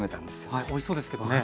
はいおいしそうですけどね。